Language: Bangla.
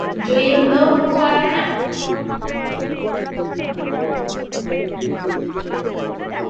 এই সূত্র নিউটনের মহাকর্ষীয় সূত্র-এর সদৃশ।